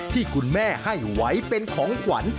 ที่คุณแม่ให้ไว้เป็นของขวัญ